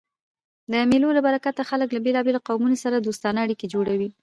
د مېلو له برکته خلک له بېلابېلو قومو سره دوستانه اړیکي جوړوي.